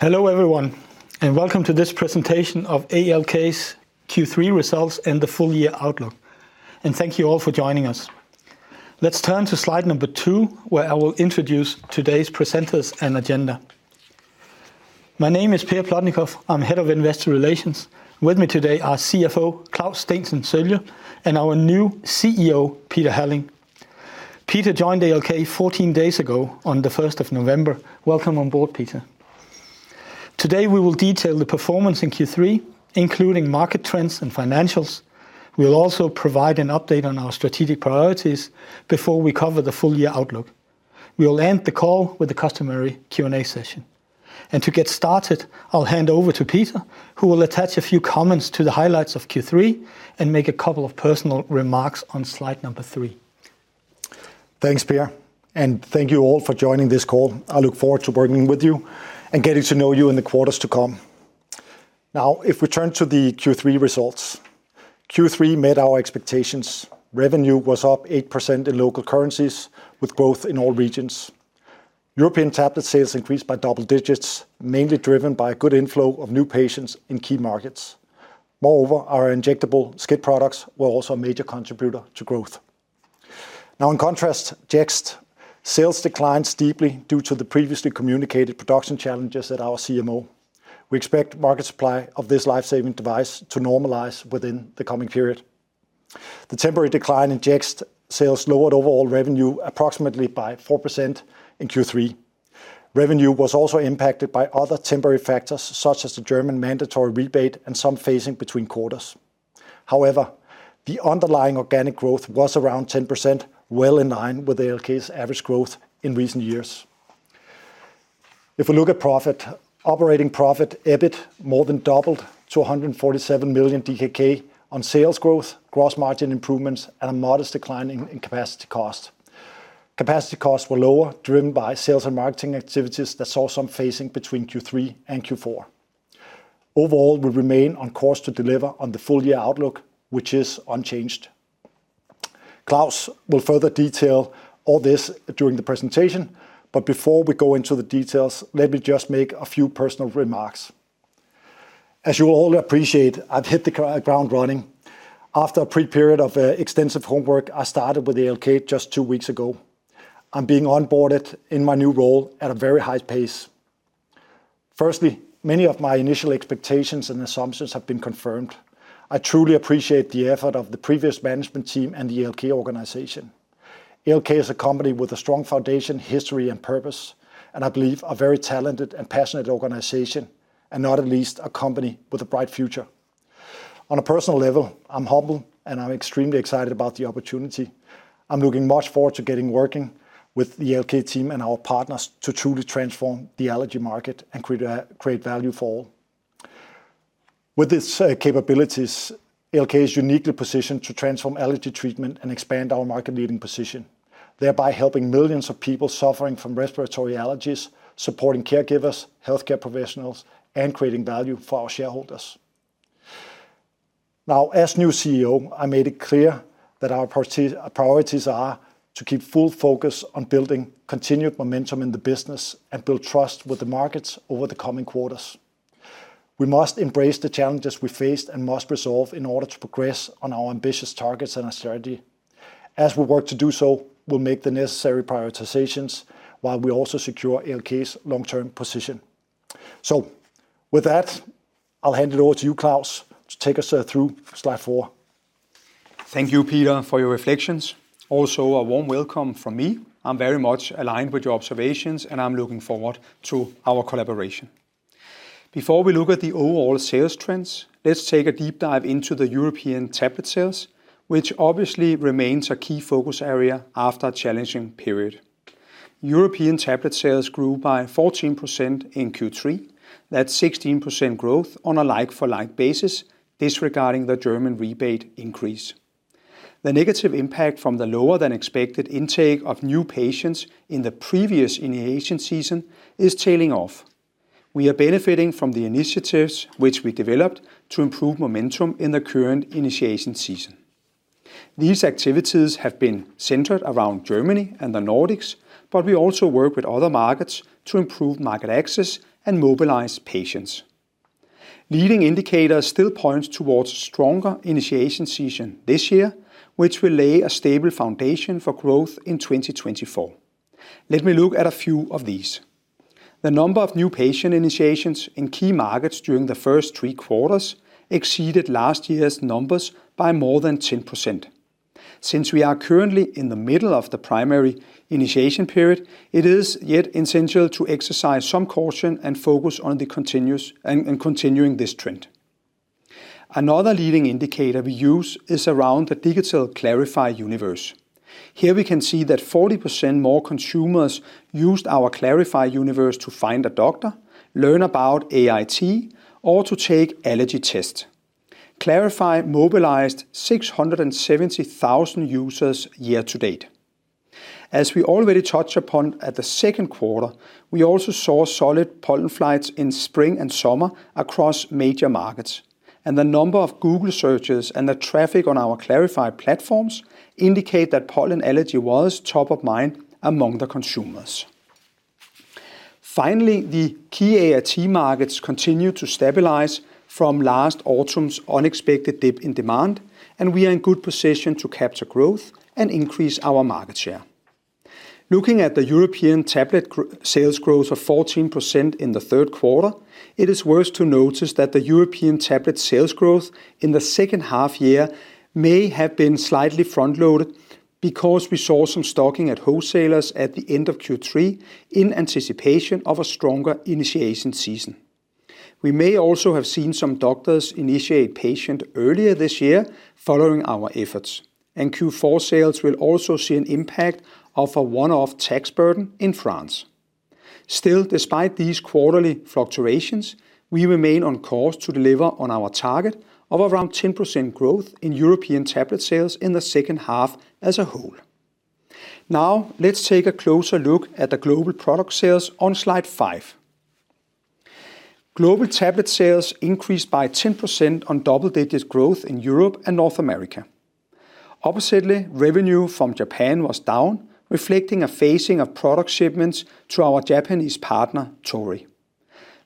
Hello everyone, and welcome to this presentation of ALK's Q3 results and the full year outlook. Thank you all for joining us. Let's turn to slide number two, where I will introduce today's presenters and agenda. My name is Per Plotnikof. I'm Head of Investor Relations. With me today, our CFO, Claus Steensen Sølje, and our new CEO, Peter Halling. Peter joined ALK 14 days ago on the 1st of November. Welcome on board, Peter. Today, we will detail the performance in Q3, including market trends and financials. We will also provide an update on our strategic priorities before we cover the full year outlook. We will end the call with the customary Q&A session. To get started, I'll hand over to Peter, who will attach a few comments to the highlights of Q3 and make a couple of personal remarks on slide number three. Thanks, Per, and thank you all for joining this call. I look forward to working with you and getting to know you in the quarters to come. Now, if we turn to the Q3 results, Q3 met our expectations. Revenue was up 8% in local currencies, with growth in all regions. European tablet sales increased by double digits, mainly driven by a good inflow of new patients in key markets. Moreover, our injectable SCIT products were also a major contributor to growth. Now, in contrast, Jext sales declined steeply due to the previously communicated production challenges at our CMO. We expect market supply of this life-saving device to normalize within the coming period. The temporary decline in Jext sales lowered overall revenue approximately by 4% in Q3. Revenue was also impacted by other temporary factors, such as the German mandatory rebate and some phasing between quarters. However, the underlying organic growth was around 10%, well in line with ALK's average growth in recent years. If we look at profit, operating profit, EBIT, more than doubled to 147 million DKK on sales growth, gross margin improvements, and a modest decline in capacity costs. Capacity costs were lower, driven by sales and marketing activities that saw some phasing between Q3 and Q4. Overall, we remain on course to deliver on the full year outlook, which is unchanged. Claus will further detail all this during the presentation, but before we go into the details, let me just make a few personal remarks. As you all appreciate, I've hit the ground running. After a pre-period of, extensive homework, I started with ALK just two weeks ago. I'm being onboarded in my new role at a very high pace. Firstly, many of my initial expectations and assumptions have been confirmed. I truly appreciate the effort of the previous management team and the ALK organization. ALK is a company with a strong foundation, history, and purpose, and I believe a very talented and passionate organization, and not at least a company with a bright future. On a personal level, I'm humble and I'm extremely excited about the opportunity. I'm looking much forward to getting working with the ALK team and our partners to truly transform the allergy market and create a, create value for all. With its capabilities, ALK is uniquely positioned to transform allergy treatment and expand our market-leading position, thereby helping millions of people suffering from respiratory allergies, supporting caregivers, healthcare professionals, and creating value for our shareholders. Now, as new CEO, I made it clear that our priorities are to keep full focus on building continued momentum in the business and build trust with the markets over the coming quarters. We must embrace the challenges we faced and must resolve in order to progress on our ambitious targets and our strategy. As we work to do so, we'll make the necessary prioritizations while we also secure ALK's long-term position. So with that, I'll hand it over to you, Claus, to take us through Slide 4. Thank you, Peter, for your reflections. Also, a warm welcome from me. I'm very much aligned with your observations, and I'm looking forward to our collaboration. Before we look at the overall sales trends, let's take a deep dive into the European tablet sales, which obviously remains a key focus area after a challenging period. European tablet sales grew by 14% in Q3. That's 16% growth on a like-for-like basis, disregarding the German rebate increase. The negative impact from the lower than expected intake of new patients in the previous initiation season is tailing off. We are benefiting from the initiatives which we developed to improve momentum in the current initiation season. These activities have been centered around Germany and the Nordics, but we also work with other markets to improve market access and mobilize patients. Leading indicators still point towards a stronger initiation season this year, which will lay a stable foundation for growth in 2024. Let me look at a few of these. The number of new patient initiations in key markets during the first three quarters exceeded last year's numbers by more than 10%. Since we are currently in the middle of the primary initiation period, it is yet essential to exercise some caution and focus on the continuous and continuing this trend. Another leading indicator we use is around the digital klarify universe. Here, we can see that 40% more consumers used our klarify universe to find a doctor, learn about AIT, or to take allergy test. klarify mobilized 670,000 users year to date. As we already touched upon at the second quarter, we also saw solid pollen flights in spring and summer across major markets, and the number of Google searches and the traffic on our klarify platforms indicate that pollen allergy was top of mind among the consumers.... Finally, the key AIT markets continue to stabilize from last autumn's unexpected dip in demand, and we are in good position to capture growth and increase our market share. Looking at the European tablet growth sales growth of 14% in the third quarter, it is worth to notice that the European tablet sales growth in the second half year may have been slightly front-loaded, because we saw some stocking at wholesalers at the end of Q3 in anticipation of a stronger initiation season. We may also have seen some doctors initiate patient earlier this year following our efforts, and Q4 sales will also see an impact of a one-off tax burden in France. Still, despite these quarterly fluctuations, we remain on course to deliver on our target of around 10% growth in European tablet sales in the second half as a whole. Now, let's take a closer look at the global product sales on Slide 5. Global tablet sales increased by 10% on double-digit growth in Europe and North America. Oppositely, revenue from Japan was down, reflecting a phasing of product shipments to our Japanese partner, Torii.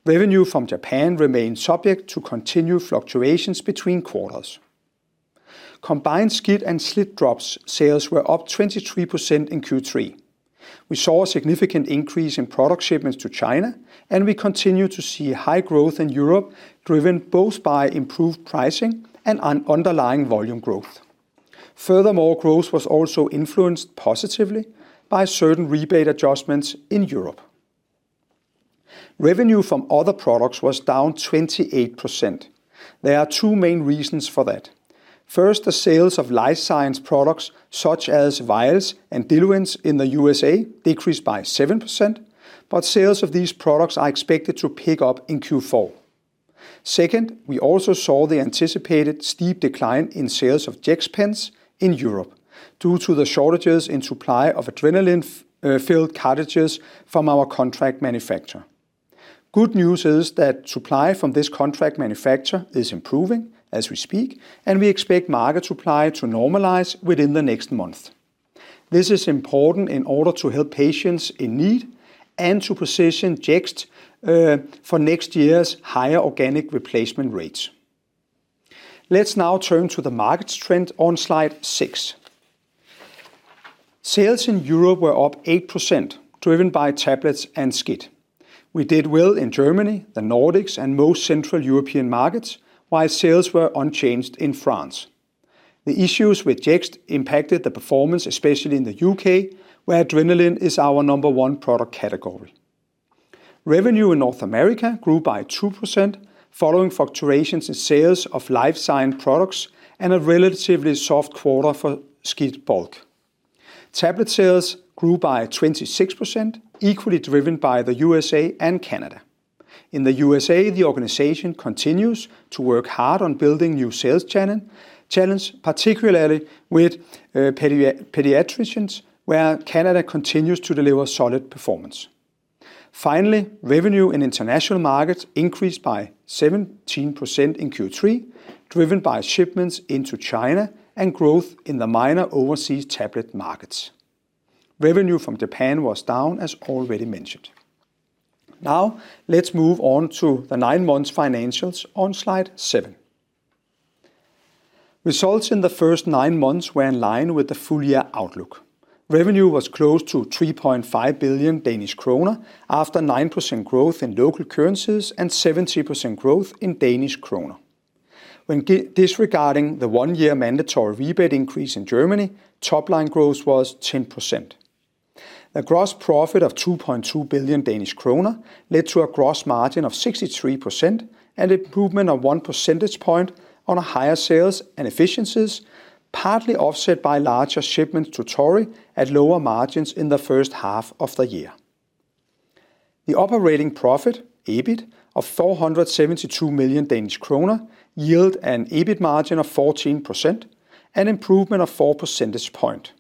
Revenue from Japan remains subject to continued fluctuations between quarters. Combined SCIT and SLIT-drops sales were up 23% in Q3. We saw a significant increase in product shipments to China, and we continue to see high growth in Europe, driven both by improved pricing and underlying volume growth. Furthermore, growth was also influenced positively by certain rebate adjustments in Europe. Revenue from other products was down 28%. There are two main reasons for that. First, the sales of life science products, such as vials and diluents in the U.S.A, decreased by 7%, but sales of these products are expected to pick up in Q4. Second, we also saw the anticipated steep decline in sales of Jext pens in Europe, due to the shortages in supply of adrenaline filled cartridges from our contract manufacturer. Good news is that supply from this contract manufacturer is improving as we speak, and we expect market supply to normalize within the next month. This is important in order to help patients in need and to position Jext for next year's higher organic replacement rates. Let's now turn to the markets trend on Slide 6. Sales in Europe were up 8%, driven by tablets and SCIT. We did well in Germany, the Nordics, and most central European markets, while sales were unchanged in France. The issues with Jext impacted the performance, especially in the U.K., where adrenaline is our number one product category. Revenue in North America grew by 2%, following fluctuations in sales of life science products and a relatively soft quarter for SCIT bulk. Tablet sales grew by 26%, equally driven by the U.S.A and Canada. In the U.S.A, the organization continues to work hard on building new sales channel, channels, particularly with pediatricians, where Canada continues to deliver solid performance. Finally, revenue in international markets increased by 17% in Q3, driven by shipments into China and growth in the minor overseas tablet markets. Revenue from Japan was down, as already mentioned. Now, let's move on to the nine months financials on Slide 7. Results in the first nine months were in line with the full year outlook. Revenue was close to 3.5 billion Danish kroner, after 9% growth in local currencies and 70% growth in Danish kroner. When disregarding the one-year mandatory rebate increase in Germany, top line growth was 10%. The gross profit of 2.2 billion Danish kroner led to a gross margin of 63% and improvement of 1 percentage point on a higher sales and efficiencies, partly offset by larger shipments to Torii at lower margins in the first half of the year. The operating profit, EBIT, of 472 million Danish kroner yields an EBIT margin of 14%, an improvement of 4 percentage points.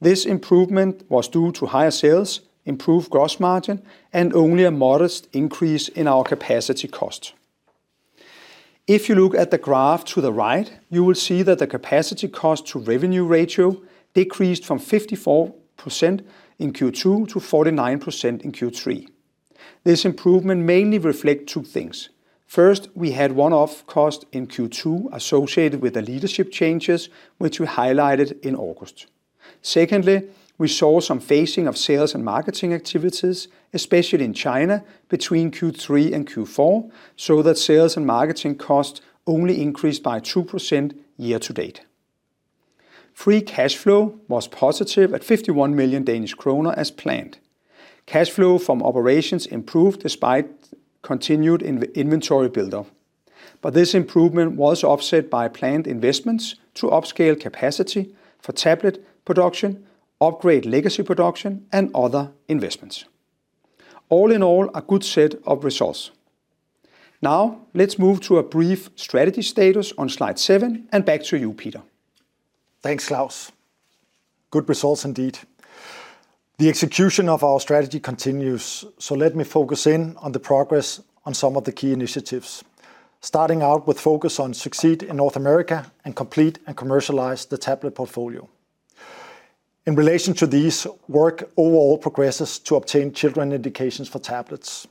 This improvement was due to higher sales, improved gross margin, and only a modest increase in our capacity costs. If you look at the graph to the right, you will see that the capacity cost to revenue ratio decreased from 54% in Q2 to 49% in Q3. This improvement mainly reflects two things. First, we had one-off costs in Q2 associated with the leadership changes, which we highlighted in August. Secondly, we saw some phasing of sales and marketing activities, especially in China, between Q3 and Q4, so that sales and marketing costs only increased by 2% year to date. Free cash flow was positive at 51 million Danish kroner, as planned. Cash flow from operations improved despite continued inventory buildup, but this improvement was offset by planned investments to upscale capacity for tablet production, upgrade legacy production, and other investments. All in all, a good set of results. Now, let's move to a brief strategy status on Slide 7, and back to you, Peter. Thanks, Claus. Good results, indeed. The execution of our strategy continues, so let me focus in on the progress on some of the key initiatives. Starting out with focus on succeed in North America and complete and commercialize the tablet portfolio.... In relation to these, work overall progresses to obtain children indications for tablets.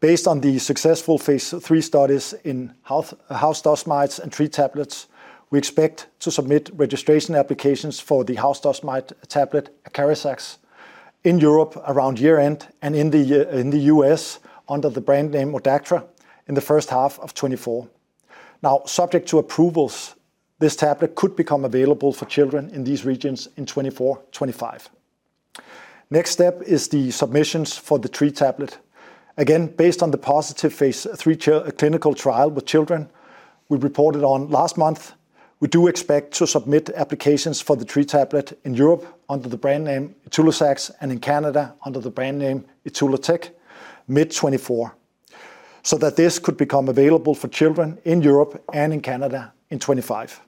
Based on the successful Phase III studies in house dust mite dust mites and tree tablets, we expect to submit registration applications for the house dust mite tablet, ACARIZAX, in Europe around year-end, and in the U.S. under the brand name ODACTRA, in the first half of 2024. Now, subject to approvals, this tablet could become available for children in these regions in 2024-2025. Next step is the submissions for the tree tablet. Again, based on the positive Phase III clinical trial with children we reported on last month, we do expect to submit applications for the tree tablet in Europe under the brand name ITULAZAX, and in Canada under the brand name ITULATEK, mid-2024, so that this could become available for children in Europe and in Canada in 2025.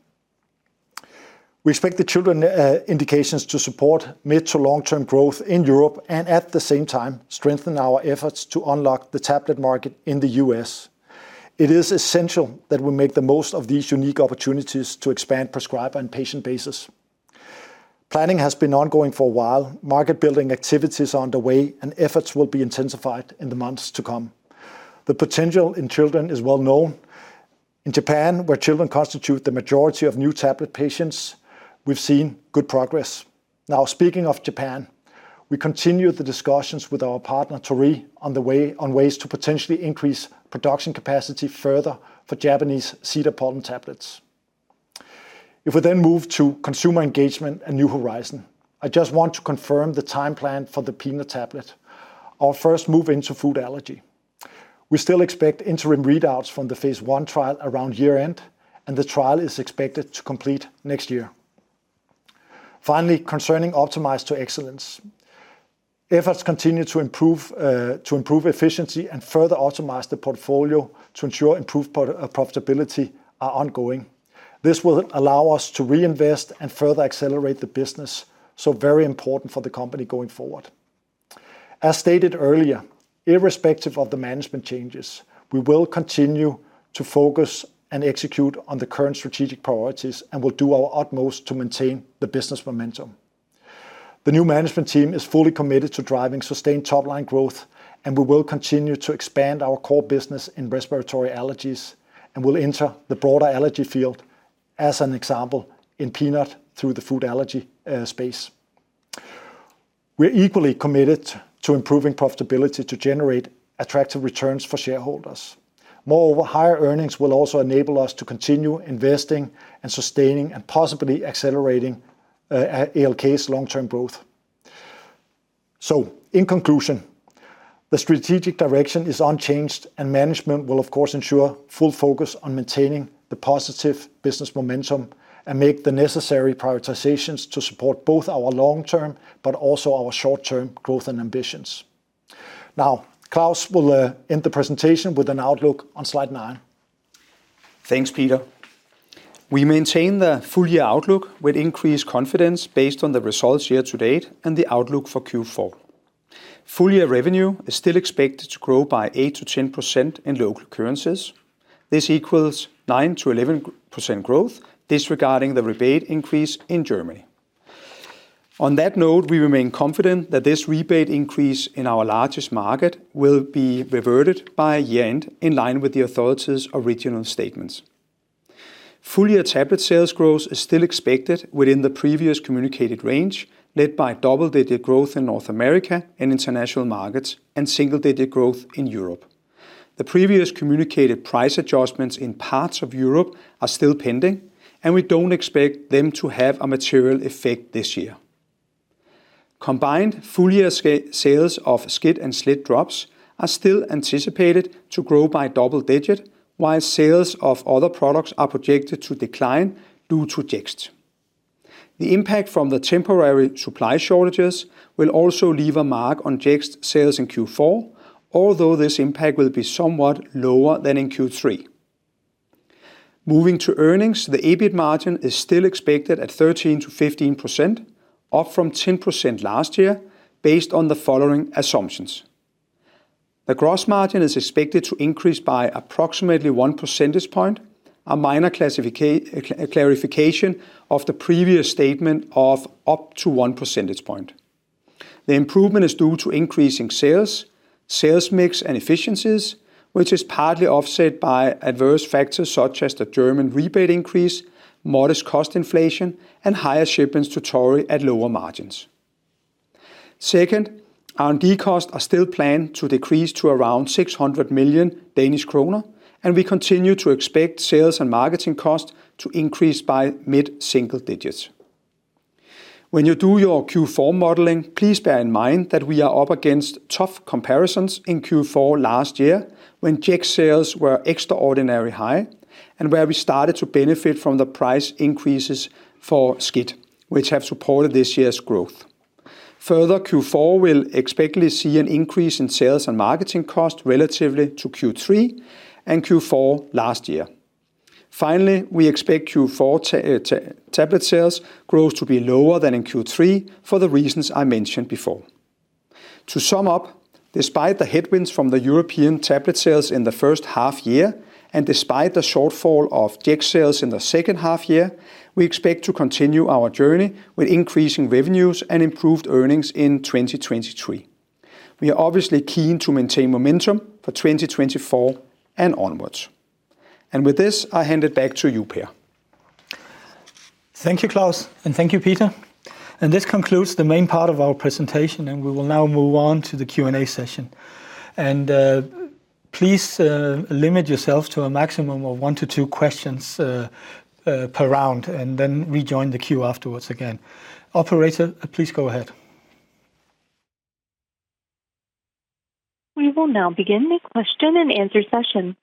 We expect the children indications to support mid- to long-term growth in Europe, and at the same time, strengthen our efforts to unlock the tablet market in the U.S. It is essential that we make the most of these unique opportunities to expand prescriber and patient bases. Planning has been ongoing for a while. Market building activities are underway, and efforts will be intensified in the months to come. The potential in children is well known. In Japan, where children constitute the majority of new tablet patients, we've seen good progress. Now, speaking of Japan, we continue the discussions with our partner, Torii, on ways to potentially increase production capacity further for Japanese cedar pollen tablets. If we then move to consumer engagement and New Horizons, I just want to confirm the time plan for the peanut tablet, our first move into food allergy. We still expect interim readouts from the Phase I trial around year-end, and the trial is expected to complete next year. Finally, concerning Optimize to Excellence, efforts continue to improve to improve efficiency and further optimize the portfolio to ensure improved profitability are ongoing. This will allow us to reinvest and further accelerate the business, so very important for the company going forward. As stated earlier, irrespective of the management changes, we will continue to focus and execute on the current strategic priorities, and will do our utmost to maintain the business momentum. The new management team is fully committed to driving sustained top-line growth, and we will continue to expand our core business in respiratory allergies, and will enter the broader allergy field, as an example, in peanut through the food allergy space. We are equally committed to improving profitability to generate attractive returns for shareholders. Moreover, higher earnings will also enable us to continue investing and sustaining, and possibly accelerating, ALK's long-term growth. So in conclusion, the strategic direction is unchanged, and management will of course ensure full focus on maintaining the positive business momentum and make the necessary prioritizations to support both our long-term, but also our short-term growth and ambitions. Now, Claus will end the presentation with an outlook on Slide 9. Thanks, Peter. We maintain the full-year outlook with increased confidence based on the results year to date and the outlook for Q4. Full-year revenue is still expected to grow by 8%-10% in local currencies. This equals 9%-11% growth, disregarding the rebate increase in Germany. On that note, we remain confident that this rebate increase in our largest market will be reverted by year-end, in line with the authorities' original statements. Full-year tablet sales growth is still expected within the previous communicated range, led by double-digit growth in North America and international markets, and single-digit growth in Europe. The previous communicated price adjustments in parts of Europe are still pending, and we don't expect them to have a material effect this year. Combined full-year sales of SCIT and SLIT drops are still anticipated to grow by double-digit, while sales of other products are projected to decline due to Jext. The impact from the temporary supply shortages will also leave a mark on Jext sales in Q4, although this impact will be somewhat lower than in Q3. Moving to earnings, the EBIT margin is still expected at 13%-15%, up from 10% last year, based on the following assumptions: The gross margin is expected to increase by approximately one percentage point, a minor clarification of the previous statement of up to 1 percentage point. The improvement is due to increasing sales, sales mix and efficiencies, which is partly offset by adverse factors such as the German rebate increase, modest cost inflation, and higher shipments to Torii at lower margins. Second, R&D costs are still planned to decrease to around 600 million Danish kroner, and we continue to expect sales and marketing costs to increase by mid-single digits. When you do your Q4 modeling, please bear in mind that we are up against tough comparisons in Q4 last year, when Jext sales were extraordinarily high, and where we started to benefit from the price increases for SCIT, which have supported this year's growth. Further, Q4 will expectedly see an increase in sales and marketing costs relatively to Q3 and Q4 last year. Finally, we expect Q4 tablet sales growth to be lower than in Q3 for the reasons I mentioned before. To sum up, despite the headwinds from the European tablet sales in the first half year, and despite the shortfall of Jext sales in the second half year, we expect to continue our journey with increasing revenues and improved earnings in 2023. We are obviously keen to maintain momentum for 2024 and onwards. With this, I hand it back to you, Per. Thank you, Claus, and thank you, Peter. This concludes the main part of our presentation, and we will now move on to the Q&A session. Please limit yourself to a maximum of one to two questions per round, and then rejoin the queue afterwards again. Operator, please go ahead. We will now begin the question-and-answer session.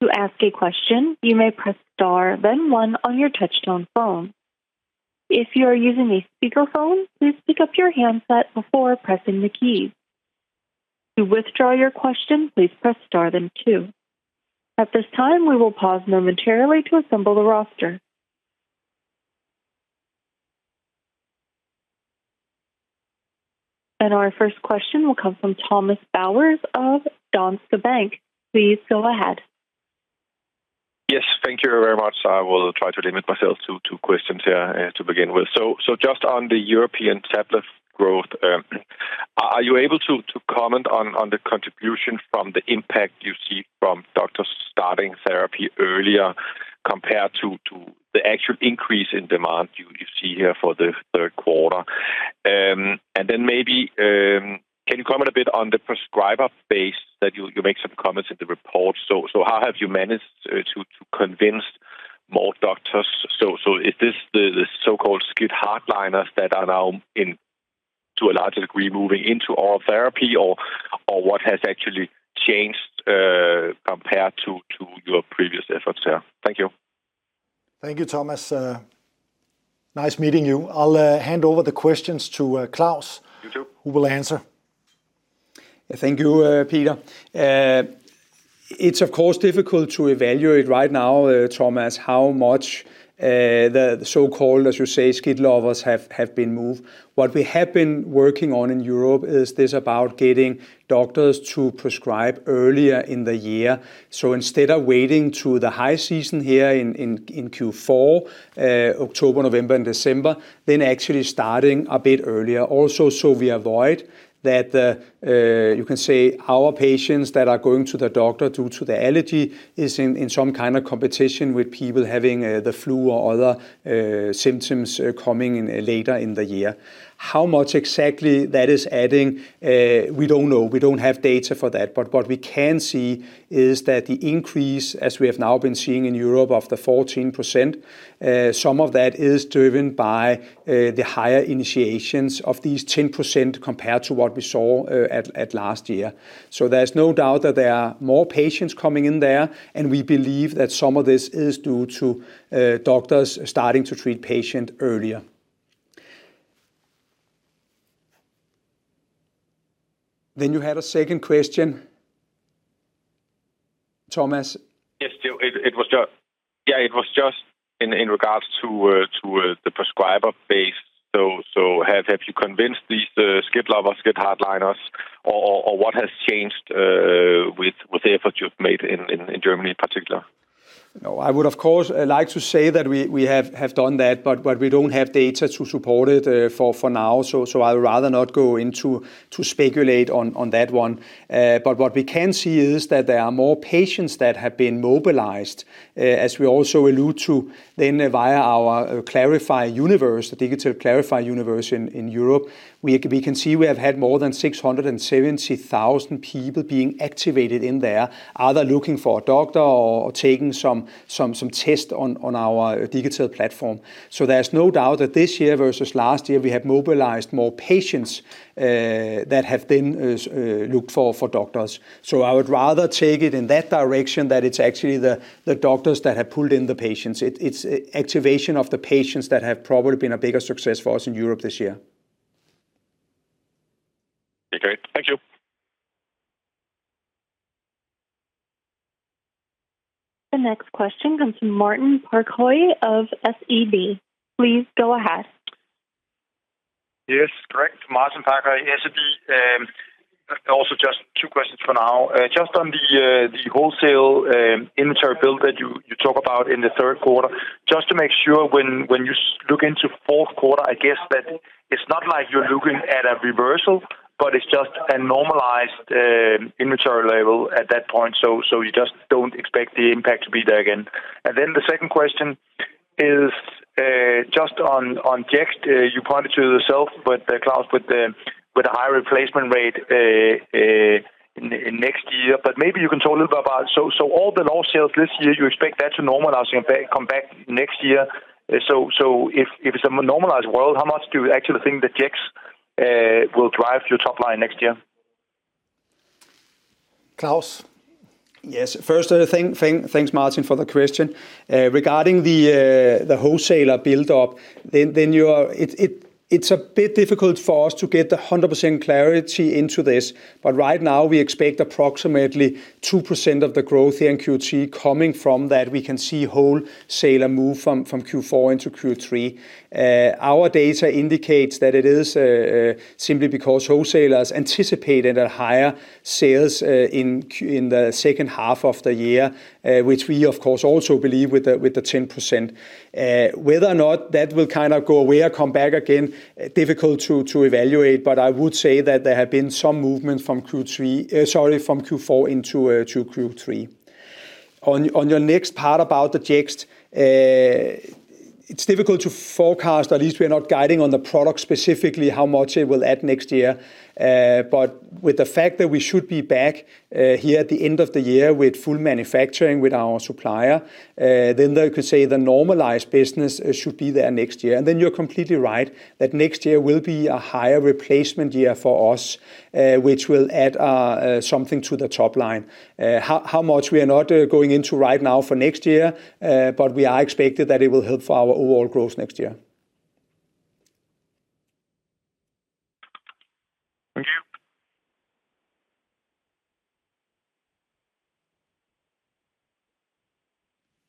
To ask a question, you may press star, then one on your touch-tone phone. If you are using a speakerphone, please pick up your handset before pressing the key. To withdraw your question, please press star, then two. At this time, we will pause momentarily to assemble the roster. Our first question will come from Thomas Bowers of Danske Bank. Please go ahead. Yes, thank you very much. I will try to limit myself to two questions here, to begin with. So, just on the European tablet growth, are you able to comment on the contribution from the impact you see from doctors starting therapy earlier, compared to the actual increase in demand you see here for the third quarter? And then maybe, can you comment a bit on the prescriber base, that you make some comments in the report. So, how have you managed to convince more doctors? So, is this the so-called SCIT hardliners that are now, to a large degree, moving into our therapy, or what has actually changed, compared to your previous efforts here? Thank you. Thank you, Thomas. Nice meeting you. I'll hand over the questions to Claus- You too.... who will answer. Thank you, Peter. It's of course difficult to evaluate right now, Thomas, how much the so-called, as you say, SCIT lovers have been moved. What we have been working on in Europe is this about getting doctors to prescribe earlier in the year. So instead of waiting to the high season here in Q4, October, November, and December, then actually starting a bit earlier also, so we avoid that you can say our patients that are going to the doctor due to the allergy is in some kind of competition with people having the flu or other symptoms coming in later in the year. How much exactly that is adding? We don't know. We don't have data for that. But what we can see is that the increase, as we have now been seeing in Europe, of the 14%, some of that is driven by, the higher initiations of these 10% compared to what we saw, at last year. So there's no doubt that there are more patients coming in there, and we believe that some of this is due to, doctors starting to treat patient earlier. Then you had a second question, Thomas? Yes, it was just in regards to the prescriber base. So, have you convinced these SCIT lovers, SCIT hardliners, or what has changed with the effort you've made in Germany in particular? No, I would of course like to say that we have done that, but we don't have data to support it for now. So I would rather not go into to speculate on that one. But what we can see is that there are more patients that have been mobilized, as we also allude to then via our klarify universe, the digital klarify universe in Europe. We can see we have had more than 670,000 people being activated in there, either looking for a doctor or taking some test on our digital platform. So there's no doubt that this year versus last year, we have mobilized more patients that have then looked for doctors. So I would rather take it in that direction, that it's actually the doctors that have pulled in the patients. It's activation of the patients that have probably been a bigger success for us in Europe this year. Okay. Thank you. The next question comes from Martin Parkhøi of SEB. Please go ahead. Yes, correct. Martin Parkhøi, SEB. Also just two questions for now. Just on the wholesale inventory build that you talk about in the third quarter. Just to make sure, when you look into fourth quarter, I guess that it's not like you're looking at a reversal, but it's just a normalized inventory level at that point. So you just don't expect the impact to be there again. And then the second question is just on Jext. You pointed to it yourself, but Claus, with a high replacement rate next year, but maybe you can talk a little bit about... So all the low sales this year, you expect that to normalize and come back next year. So, if it's a normalized world, how much do you actually think that Jext will drive your top line next year?... Claus? Yes. First, thanks, Martin, for the question. Regarding the wholesaler build-up, then it's a bit difficult for us to get 100% clarity into this, but right now we expect approximately 2% of the growth here in Q3 coming from that. We can see wholesaler move from Q4 into Q3. Our data indicates that it is simply because wholesalers anticipated higher sales in the second half of the year, which we, of course, also believe with the 10%. Whether or not that will kind of go away or come back again, difficult to evaluate, but I would say that there have been some movement from Q4 into Q3. On your next part about the Jext, it's difficult to forecast, at least we're not guiding on the product, specifically how much it will add next year. But with the fact that we should be back here at the end of the year with full manufacturing with our supplier, then you could say the normalized business should be there next year. And then you're completely right, that next year will be a higher replacement year for us, which will add something to the top line. How much we are not going into right now for next year, but we are expected that it will help our overall growth next year.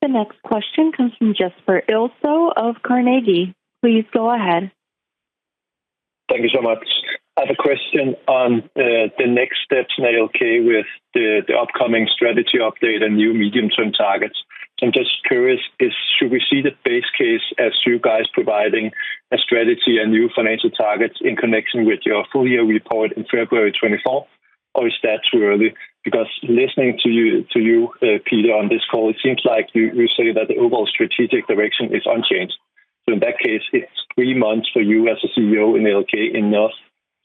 Thank you. The next question comes from Jesper Ilsøe of Carnegie. Please go ahead. Thank you so much. I have a question on the next steps in ALK with the upcoming strategy update and new medium-term targets. I'm just curious, is should we see the base case as you guys providing a strategy and new financial targets in connection with your full year report in February 24, 2024? Or is that too early? Because listening to you, Peter, on this call, it seems like you say that the overall strategic direction is unchanged. In that case, it's three months for you as a CEO in ALK enough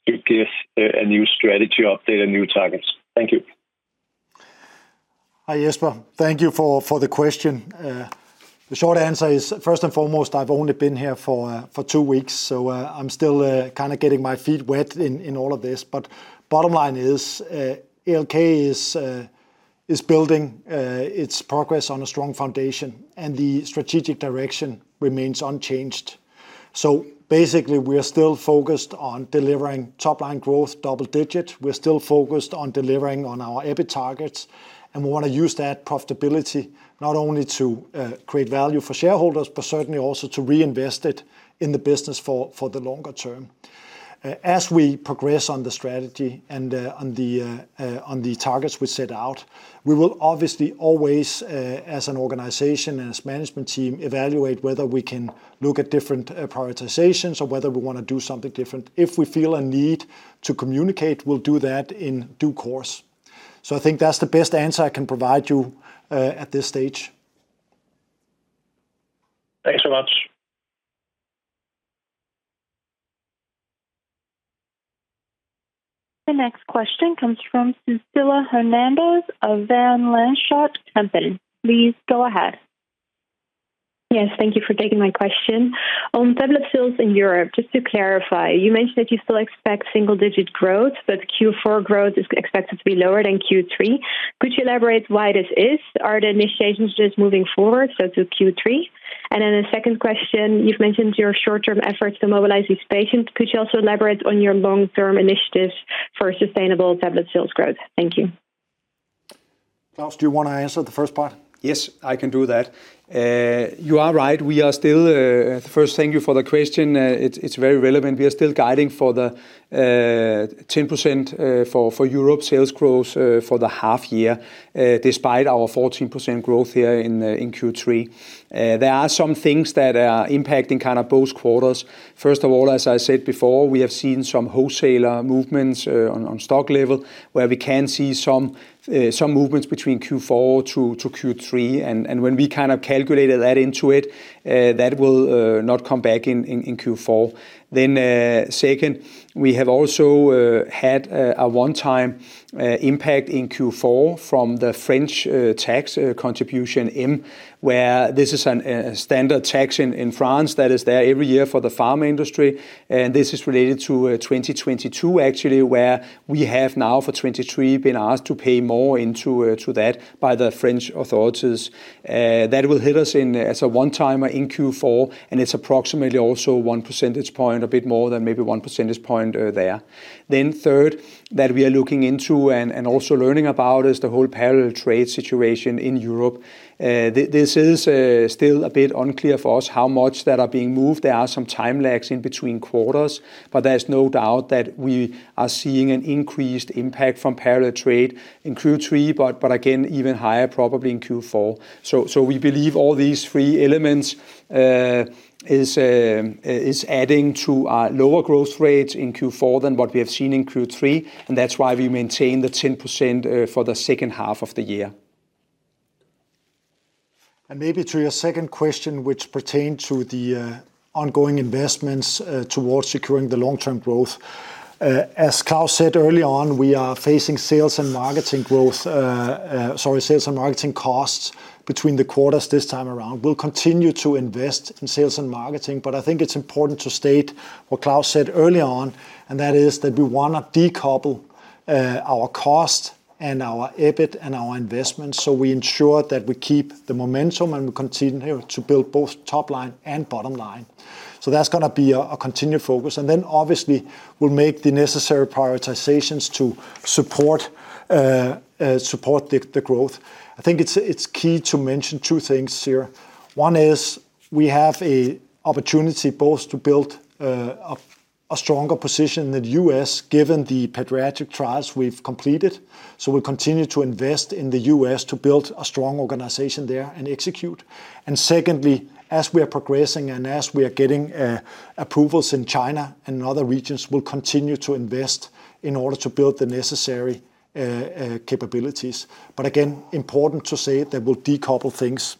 to give a new strategy update and new targets. Thank you. Hi, Jesper. Thank you for the question. The short answer is, first and foremost, I've only been here for two weeks, so I'm still kind of getting my feet wet in all of this. But bottom line is, ALK is building its progress on a strong foundation, and the strategic direction remains unchanged. So basically, we are still focused on delivering top line growth, double digit. We're still focused on delivering on our EBIT targets, and we want to use that profitability not only to create value for shareholders, but certainly also to reinvest it in the business for the longer term. As we progress on the strategy and on the targets we set out, we will obviously always as an organization and as management team evaluate whether we can look at different prioritizations or whether we want to do something different. If we feel a need to communicate, we'll do that in due course. So I think that's the best answer I can provide you at this stage. Thanks so much. The next question comes from Sushila Hernandez of Van Lanschot Kempen. Please go ahead. Yes, thank you for taking my question. On tablet sales in Europe, just to clarify, you mentioned that you still expect single-digit growth, but Q4 growth is expected to be lower than Q3. Could you elaborate why this is? Are the initiations just moving forward, so to Q3? And then the second question, you've mentioned your short-term efforts to mobilize these patients. Could you also elaborate on your long-term initiatives for sustainable tablet sales growth? Thank you. Claus, do you want to answer the first part? Yes, I can do that. You are right, we are still... First, thank you for the question. It's, it's very relevant. We are still guiding for the 10%, for Europe sales growth, for the half year, despite our 14% growth here in Q3. There are some things that are impacting kind of both quarters. First of all, as I said before, we have seen some wholesaler movements on stock level, where we can see some movements between Q4 to Q3, and when we kind of calculated that into it, that will not come back in Q4. Then, second, we have also had a one-time impact in Q4 from the French tax contribution in, where this is a standard tax in France that is there every year for the pharma industry, and this is related to 2022, actually, where we have now, for 2023, been asked to pay more into to that by the French authorities. That will hit us in as a one-timer in Q4, and it's approximately also 1 percentage point, a bit more than maybe 1 percentage point there. Then third, that we are looking into and also learning about, is the whole parallel trade situation in Europe. This is still a bit unclear for us how much that are being moved. There are some time lags in between quarters, but there's no doubt that we are seeing an increased impact from parallel trade in Q3, but again, even higher probably in Q4. So we believe all these three elements is adding to our lower growth rate in Q4 than what we have seen in Q3, and that's why we maintain the 10% for the second half of the year. And maybe to your second question, which pertained to the ongoing investments towards securing the long-term growth. As Claus said early on, we are facing sales and marketing growth, sorry, sales and marketing costs between the quarters this time around. We'll continue to invest in sales and marketing, but I think it's important to state what Claus said early on, and that is that we want to decouple our cost and our EBIT and our investments. So we ensure that we keep the momentum, and we continue to build both top line and bottom line. So that's going to be a continued focus. And then, obviously, we'll make the necessary prioritizations to support the growth. I think it's key to mention two things here. One is we have a opportunity both to build a stronger position in the U.S., given the pediatric trials we've completed, so we'll continue to invest in the U.S. to build a strong organization there and execute. And secondly, as we are progressing and as we are getting approvals in China and other regions, we'll continue to invest in order to build the necessary capabilities. But again, important to say that we'll decouple things.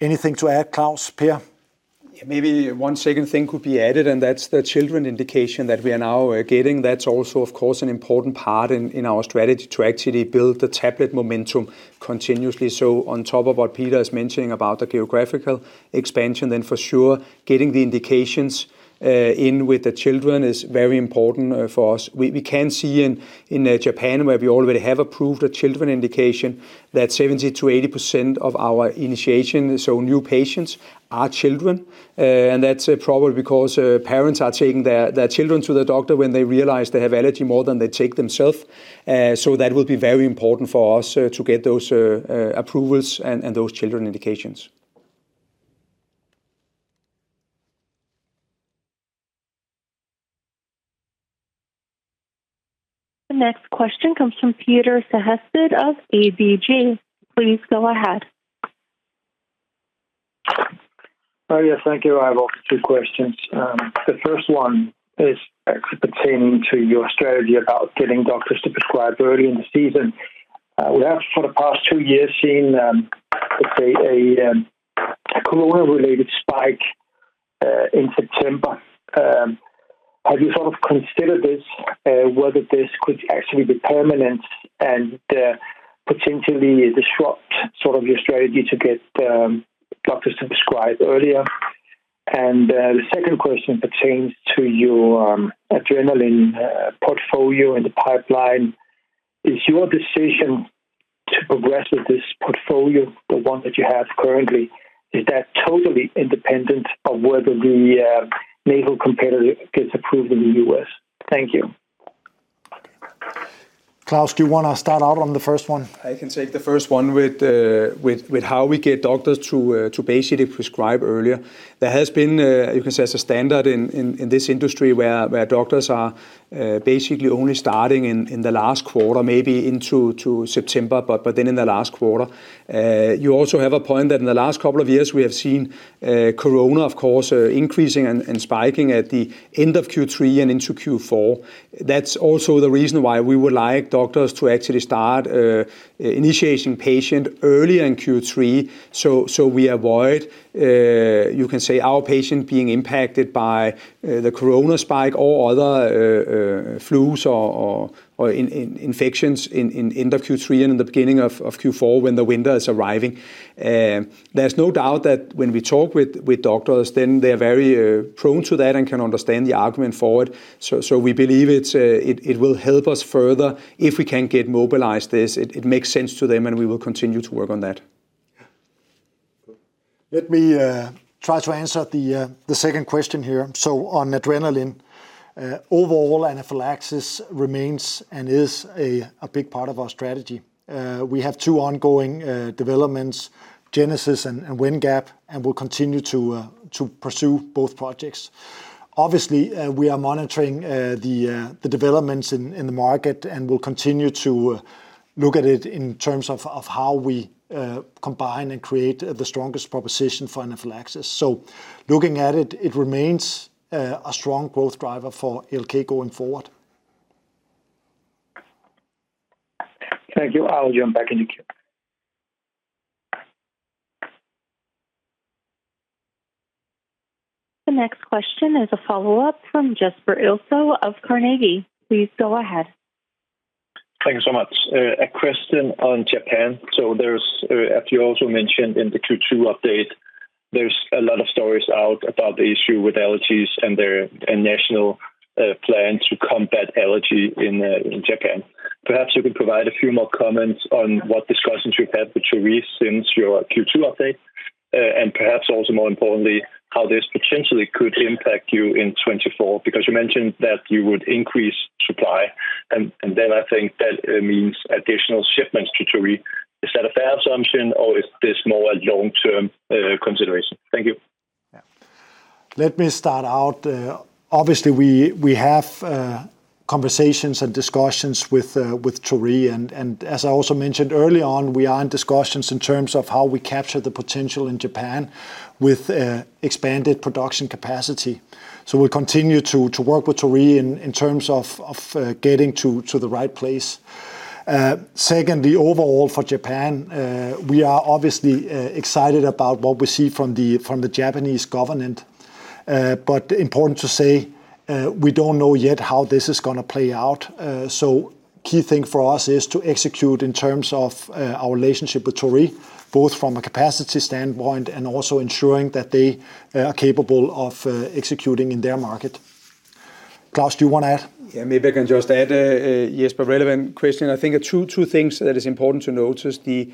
Anything to add, Claus, Per? Maybe one second thing could be added, and that's the children indication that we are now getting. That's also, of course, an important part in our strategy to actually build the tablet momentum continuously. So on top of what Peter is mentioning about the geographical expansion, then for sure, getting the indications in with the children is very important for us. We can see in Japan, where we already have approved a children indication, that 70%-80% of our initiation, so new patients, are children. And that's probably because parents are taking their children to the doctor when they realize they have allergy more than they take themselves. So that will be very important for us to get those approvals and those children indications. The next question comes from Peter Sehested of ABG. Please go ahead. Oh, yes, thank you. I have two questions. The first one is actually pertaining to your strategy about getting doctors to prescribe early in the season. We have, for the past two years, seen, let's say a, corona-related spike in September. Have you sort of considered this, whether this could actually be permanent and, potentially disrupt sort of your strategy to get, doctors to prescribe earlier? And, the second question pertains to your, adrenaline, portfolio in the pipeline. Is your decision to progress with this portfolio, the one that you have currently, is that totally independent of whether the, nasal competitor gets approved in the U.S.? Thank you. Claus, do you want to start out on the first one? I can take the first one with how we get doctors to basically prescribe earlier. There has been a, you can say, a standard in this industry, where doctors are basically only starting in the last quarter, maybe into September, but then in the last quarter. You also have a point that in the last couple of years, we have seen corona, of course, increasing and spiking at the end of Q3 and into Q4. That's also the reason why we would like doctors to actually start initiation patient early in Q3, so we avoid, you can say, our patient being impacted by the corona spike or other flus or infections in end of Q3 and in the beginning of Q4, when the winter is arriving. There's no doubt that when we talk with doctors, then they're very prone to that and can understand the argument forward. So we believe it's it will help us further if we can get mobilized this. It makes sense to them, and we will continue to work on that. Let me try to answer the second question here. So on adrenaline, overall, anaphylaxis remains and is a big part of our strategy. We have two ongoing developments, Genesis and Windgap, and we'll continue to pursue both projects. Obviously, we are monitoring the developments in the market, and we'll continue to look at it in terms of how we combine and create the strongest proposition for anaphylaxis. So looking at it, it remains a strong growth driver for ALK going forward. Thank you. I'll jump back in the queue. The next question is a follow-up from Jesper Ilsøe of Carnegie. Please go ahead. Thank you so much. A question on Japan. So there's, as you also mentioned in the Q2 update, there's a lot of stories out about the issue with allergies and their national plan to combat allergy in Japan. Perhaps you could provide a few more comments on what discussions you've had with Torii since your Q2 update, and perhaps also more importantly, how this potentially could impact you in 2024? Because you mentioned that you would increase supply, and then I think that means additional shipments to Torii. Is that a fair assumption, or is this more a long-term consideration? Thank you. Yeah. Let me start out. Obviously, we have conversations and discussions with Torii, and as I also mentioned early on, we are in discussions in terms of how we capture the potential in Japan with expanded production capacity. So we'll continue to work with Torii in terms of getting to the right place. Secondly, overall for Japan, we are obviously excited about what we see from the Japanese government, but important to say, we don't know yet how this is going to play out. The key thing for us is to execute in terms of our relationship with Torii, both from a capacity standpoint and also ensuring that they are capable of executing in their market. Claus, do you want to add? Yeah, maybe I can just add, yes, but relevant question. I think two things that is important to notice, the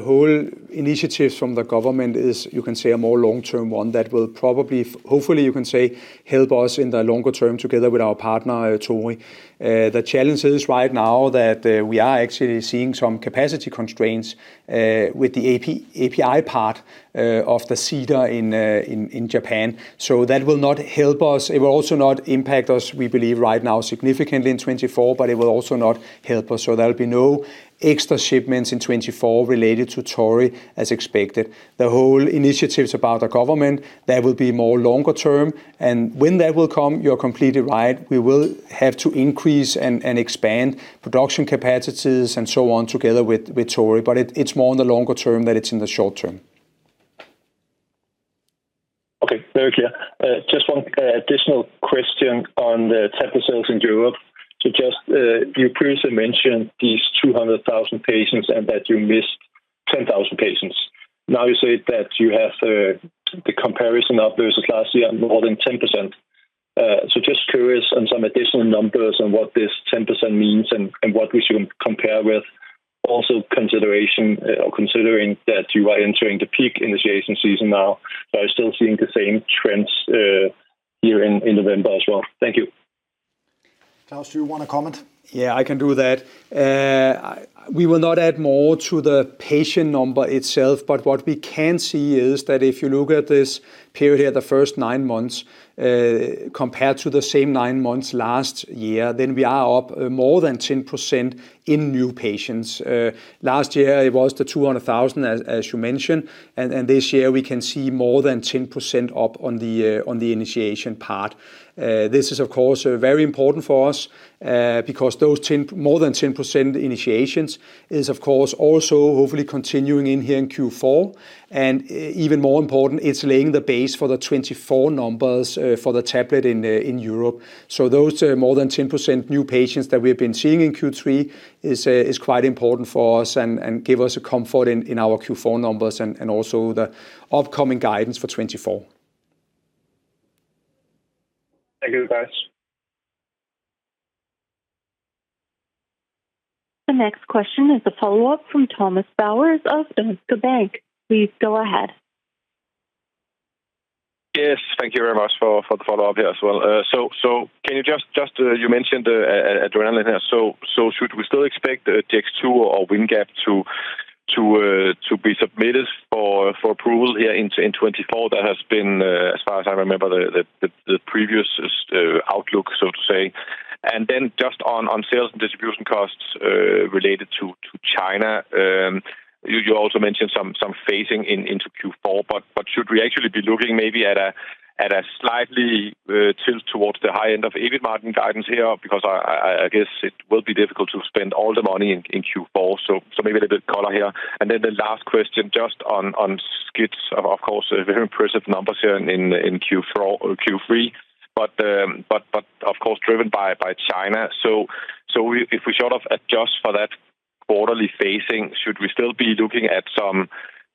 whole initiative from the government is, you can say, a more long-term one that will probably, hopefully, you can say, help us in the longer term, together with our partner, Torii. The challenge is right now that we are actually seeing some capacity constraints with the API part of the cedar in Japan. So that will not help us. It will also not impact us, we believe right now, significantly in 2024, but it will also not help us. So there'll be no extra shipments in 2024 related to Torii as expected. The whole initiatives about the government, that will be more longer term, and when that will come, you're completely right, we will have to increase and expand production capacities and so on, together with Torii, but it's more in the longer term than it's in the short term. Okay, very clear. Just one, additional question on the tablet sales in Europe. So just, you previously mentioned these 200,000 patients and that you missed 10,000 patients. Now you say that you have, the comparison of versus last year, more than 10%. So just curious on some additional numbers on what this 10% means and, and what we should compare with, also consideration, or considering that you are entering the peak initiation season now, are you still seeing the same trends, here in November as well? Thank you. Claus, do you want to comment? Yeah, I can do that. We will not add more to the patient number itself, but what we can see is that if you look at this period here, the first nine months, compared to the same nine months last year, then we are up more than 10% in new patients. Last year, it was the 200,000, as you mentioned, and this year, we can see more than 10% up on the initiation part. This is, of course, very important for us, because those more than 10% initiations is, of course, also hopefully continuing here in Q4. And even more important, it's laying the base for the 2024 numbers, for the tablet in Europe. So those more than 10% new patients that we have been seeing in Q3 is quite important for us and give us a comfort in our Q4 numbers and also the upcoming guidance for 2024. Thank you, guys. The next question is a follow-up from Thomas Bowers of Danske Bank. Please go ahead. Yes, thank you very much for the follow-up here as well. So, can you just, you mentioned the adrenaline here. So, should we still expect [Jext to-] or Windgap to be submitted for approval here in 2024? That has been, as far as I remember, the previous outlook, so to say. And then just on sales and distribution costs related to China, you also mentioned some phasing in into Q4, but should we actually be looking maybe at a slightly tilt towards the high end of EBIT margin guidance here? Because I guess it will be difficult to spend all the money in Q4, so maybe a little bit color here. And then the last question, just on SCITs, of course, very impressive numbers here in Q4 or Q3, but of course, driven by China. So if we sort of adjust for that quarterly phasing, should we still be looking at some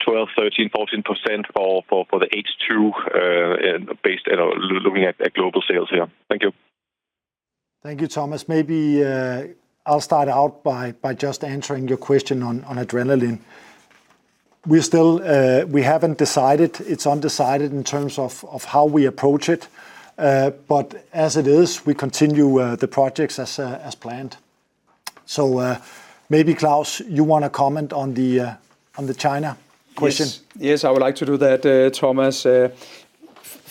12%-14% for the H2, based at looking at global sales here? Thank you. Thank you, Thomas. Maybe, I'll start out by just answering your question on adrenaline. We're still, we haven't decided, it's undecided in terms of how we approach it, but as it is, we continue the projects as planned. So, maybe, Claus, you want to comment on the China question? Yes. Yes, I would like to do that, Thomas.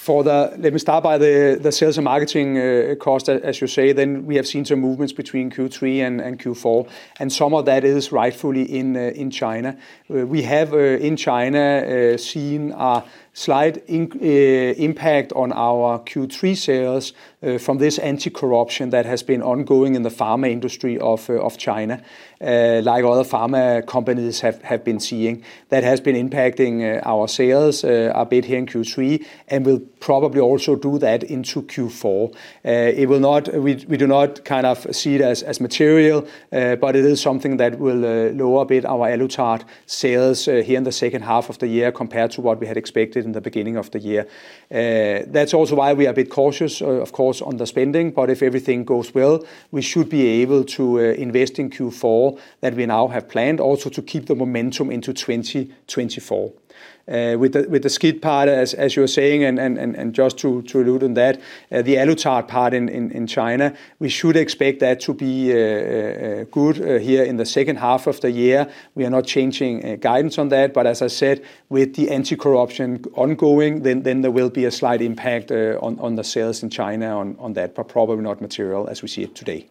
For the sales and marketing cost, as you say, then we have seen some movements between Q3 and Q4, and some of that is rightfully in China. We have in China seen a slight impact on our Q3 sales from this anti-corruption that has been ongoing in the pharma industry of China, like other pharma companies have been seeing. That has been impacting our sales a bit here in Q3, and will probably also do that into Q4. We do not kind of see it as material, but it is something that will lower a bit our ALUTARD sales here in the second half of the year, compared to what we had expected in the beginning of the year. That's also why we are a bit cautious, of course, on the spending, but if everything goes well, we should be able to invest in Q4 that we now have planned, also to keep the momentum into 2024. With the SCIT part, as you were saying, and just to allude on that, the ALUTARD part in China, we should expect that to be good here in the second half of the year. We are not changing guidance on that, but as I said, with the anti-corruption ongoing, then there will be a slight impact on the sales in China on that, but probably not material as we see it today.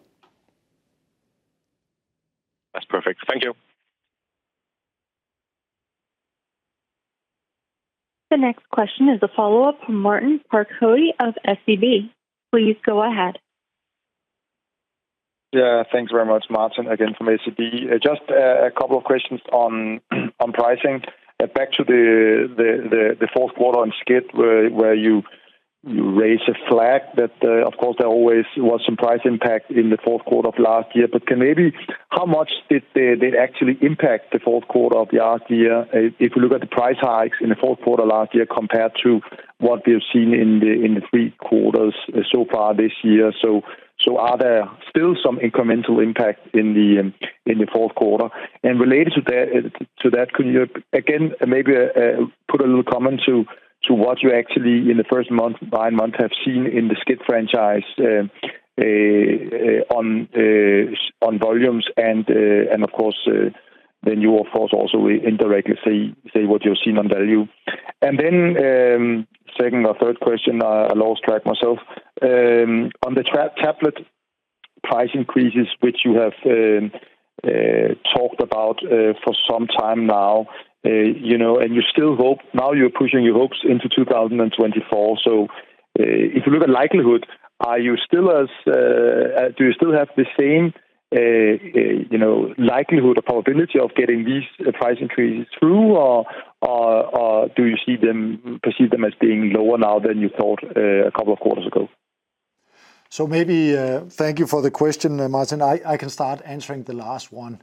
That's perfect. Thank you. The next question is a follow-up from Martin Parkhøi of SEB. Please go ahead. Yeah, thanks very much, Martin, again, from SEB. Just a couple of questions on pricing. Back to the fourth quarter on SCIT, where you- ... You raise a flag that, of course, there always was some price impact in the fourth quarter of last year. But can maybe, how much did they, they actually impact the fourth quarter of last year? If you look at the price hikes in the fourth quarter last year compared to what we have seen in the, in the three quarters so far this year. So, so are there still some incremental impact in the, in the fourth quarter? And related to that, to, to that, could you again, maybe, put a little comment to, to what you actually in the first nine months have seen in the SCIT franchise, on, on volumes and, and of course, then you of course, also indirectly say, say what you've seen on value. And then, second or third question, I lost track myself. On the tablet price increases, which you have talked about for some time now, you know, and you still hope, now you're pushing your hopes into 2024. So, if you look at likelihood, are you still as do you still have the same, you know, likelihood or probability of getting these price increases through, or do you see them perceive them as being lower now than you thought a couple of quarters ago? So maybe, thank you for the question, Martin. I can start answering the last one.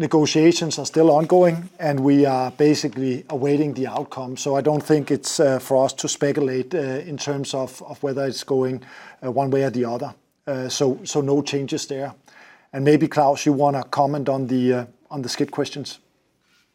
Negotiations are still ongoing, and we are basically awaiting the outcome. So I don't think it's for us to speculate in terms of whether it's going one way or the other. So no changes there. And maybe, Claus, you want to comment on the SCIT questions?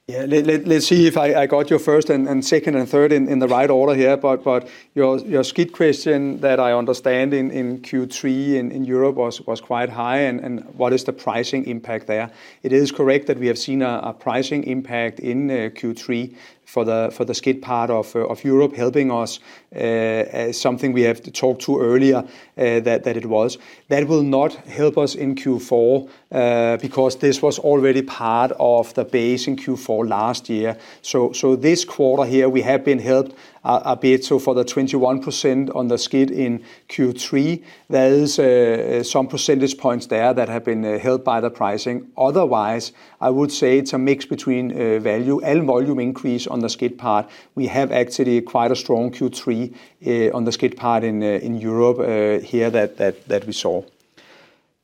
Yeah. Let's see if I got your first and second and third in the right order here. But your SCIT question that I understand in Q3 in Europe was quite high, and what is the pricing impact there? It is correct that we have seen a pricing impact in Q3 for the SCIT part of Europe helping us, something we have talked to earlier, that it was. That will not help us in Q4 because this was already part of the base in Q4 last year. So this quarter here, we have been helped a bit. So for the 21% on the SCIT in Q3, there is some percentage points there that have been helped by the pricing. Otherwise, I would say it's a mix between value and volume increase on the SCIT part. We have actually quite a strong Q3 on the SCIT part in Europe here that we saw.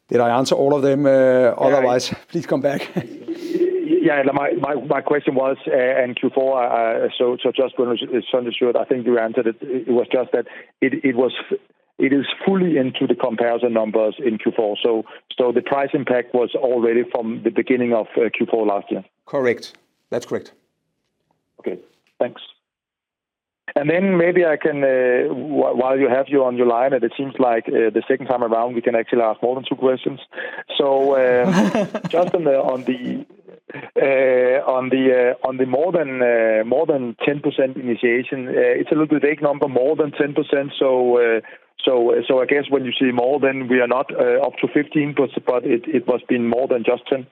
Did I answer all of them? Otherwise, please come back. Yeah. My question was in Q4, so just so I understood, I think you answered it. It was just that it is fully into the comparison numbers in Q4. So the price impact was already from the beginning of Q4 last year? Correct. That's correct. Okay, thanks. And then maybe I can, while you have you on your line, and it seems like, the second time around, we can actually ask more than two questions. So, just on the more than 10% initiation, it's a little bit vague number, more than 10%. So, I guess when you say more, then we are not up to 15%, but it must been more than just 10?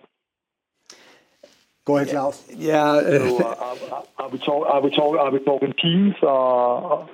Go ahead, Claus. Yeah, uh- Are we talking teams or?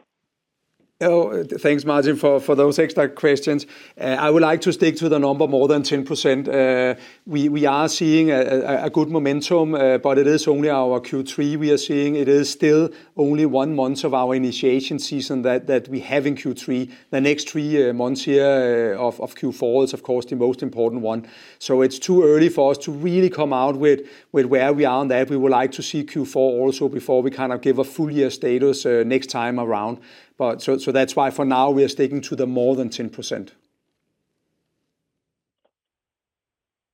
Oh, thanks, Martin, for those extra questions. I would like to stick to the number more than 10%. We are seeing a good momentum, but it is only our Q3 we are seeing. It is still only one month of our initiation season that we have in Q3. The next three months here of Q4 is of course the most important one. So it's too early for us to really come out with where we are on that. We would like to see Q4 also before we kind of give a full year status next time around. But that's why for now we are sticking to the more than 10%.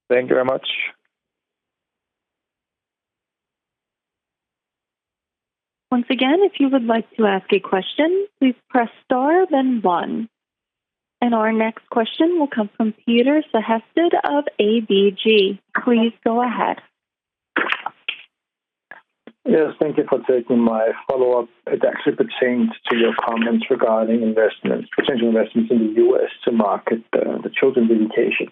Thank you very much. Once again, if you would like to ask a question, please press Star, then one. Our next question will come from Peter Sehested of ABG. Please go ahead. Yes, thank you for taking my follow-up. It actually pertains to your comments regarding investments, potential investments in the U.S. to market, the children's indication.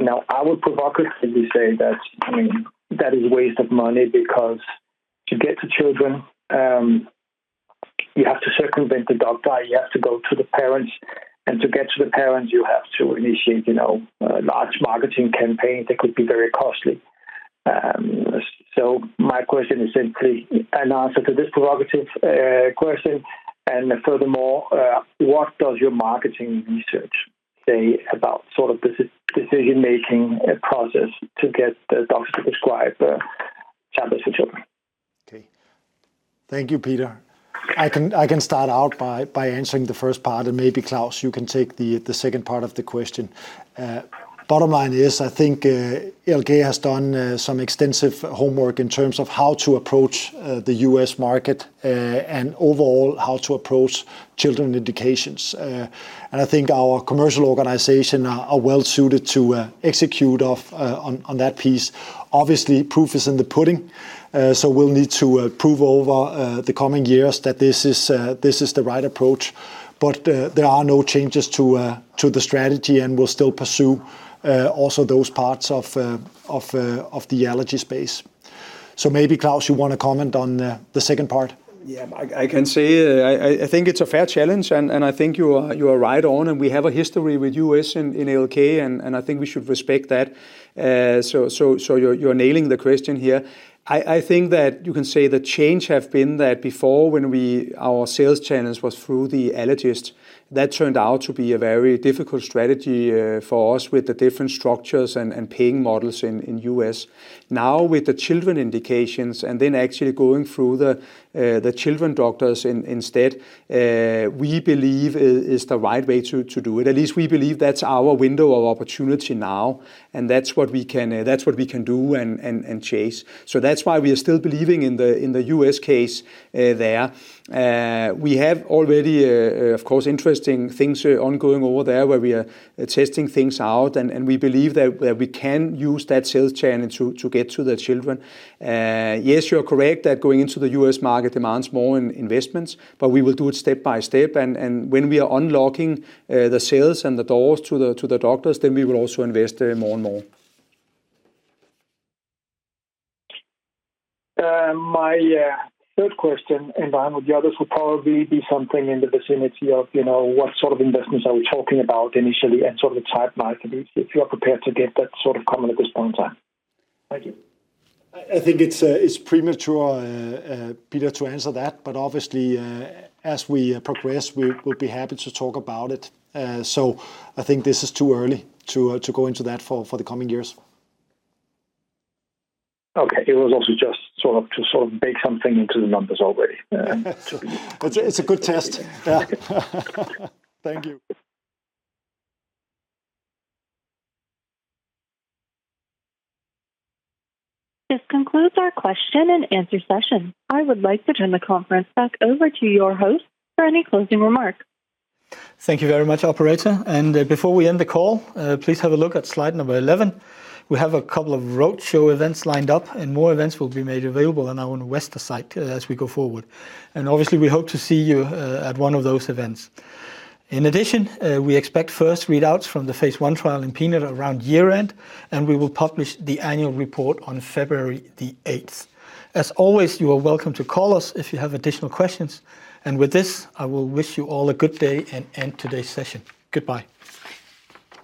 Now, I would provocatively say that, I mean, that is a waste of money because to get to children, you have to circumvent the doctor, you have to go to the parents, and to get to the parents, you have to initiate, you know, large marketing campaigns that could be very costly. So my question is simply an answer to this provocative question. And furthermore, what does your marketing research say about sort of this decision-making process to get the doctors to prescribe, tablets for children? Okay. Thank you, Peter. I can start out by answering the first part, and maybe, Claus, you can take the second part of the question. Bottom line is, I think, ALK has done some extensive homework in terms of how to approach the U.S. market, and overall, how to approach children indications. And I think our commercial organization are well suited to execute on that piece. Obviously, proof is in the pudding, so we'll need to prove over the coming years that this is the right approach, but there are no changes to the strategy, and we'll still pursue also those parts of the allergy space.... So maybe, Claus, you want to comment on the second part? Yeah, I can say, I think it's a fair challenge, and I think you are right on, and we have a history with U.S. in ALK, and I think we should respect that. So, you're nailing the question here. I think that you can say the change have been there before, when our sales channels was through the allergist. That turned out to be a very difficult strategy for us with the different structures and paying models in U.S. Now, with the children indications, and then actually going through the children doctors instead, we believe is the right way to do it. At least we believe that's our window of opportunity now, and that's what we can do and chase. So that's why we are still believing in the in the U.S. case, there. We have already, of course, interesting things are ongoing over there, where we are testing things out, and we believe that we can use that sales channel to get to the children. Yes, you're correct that going into the U.S. market demands more in investments, but we will do it step by step. And when we are unlocking the sales and the doors to the doctors, then we will also invest more and more. My third question, in line with the others, would probably be something in the vicinity of, you know, what sort of investments are we talking about initially and sort of the timeline, if you are prepared to give that sort of comment at this point in time? Thank you. I think it's premature, Peter, to answer that, but obviously, as we progress, we'll be happy to talk about it. So I think this is too early to go into that for the coming years. Okay. It was also just sort of to bake something into the numbers already. It's a good test. Yeah. Thank you. This concludes our question-and-answer session. I would like to turn the conference back over to your host for any closing remarks. Thank you very much, operator. Before we end the call, please have a look at slide number 11. We have a couple of road show events lined up, and more events will be made available on our Investor site as we go forward. Obviously, we hope to see you at one of those events. In addition, we expect first readouts from the Phase I trial in peanut around year-end, and we will publish the annual report on February the 8th. As always, you are welcome to call us if you have additional questions. With this, I will wish you all a good day and end today's session. Goodbye.